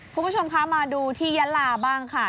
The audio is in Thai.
คุณผู้ชมคะมาดูที่ยะลาบ้างค่ะ